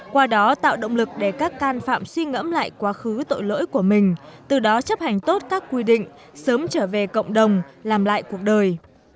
qua đó tạo động lực để các can phạm suy ngẫm lại quá khứ tội lỗi của mình từ đó chấp hành tốt các quy định sớm trở về cộng đồng làm lại cuộc đời